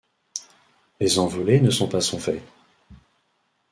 Les envolées ne sont pas son fait.